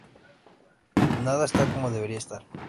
Nada está como debería estar.